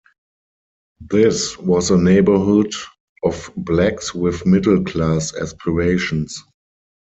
This was a neighborhood of blacks with middle class aspirations.